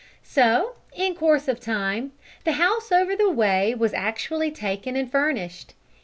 So, in course of time, the house over the way was actually taken and furnished.